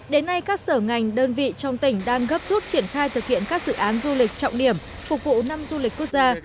đến nay các sở ngành đơn vị trong tỉnh đang gấp rút triển khai thực hiện các dự án du lịch trọng điểm phục vụ năm du lịch quốc gia